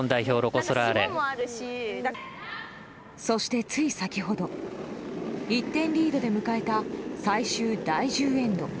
そして、つい先ほど１点リードで迎えた最終第１０エンド。